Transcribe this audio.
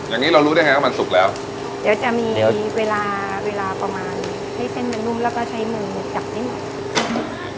อย่างนี้เรารู้ได้ไงว่ามันสุกแล้วเดี๋ยวจะมีเวลาเวลาประมาณให้เส้นมันนุ่มแล้วก็ใช้มือเนี่ยจับนิดหน่อย